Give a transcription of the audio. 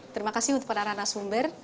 terima kasih untuk para narasumber